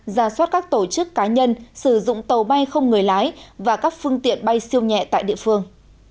ra soát các tổ chức cá nhân sử dụng tàu bay không người lái và các phương tiện bay siêu nhẹ tại địa phương